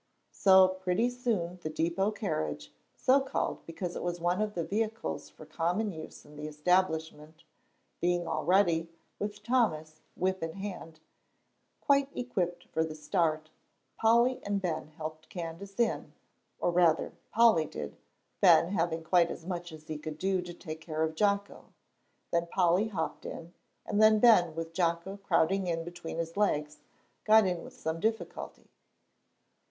So pretty soon the depot carriage, so called because it was one of the vehicles for common use in the establishment, being all ready, with Thomas, whip in hand, quite equipped for the start, Polly and Ben helped Candace in, or rather Polly did, Ben having quite as much as he could do to take care of Jocko; then Polly hopped in, and then Ben, with Jocko crowding in between his legs, got in with some difficulty.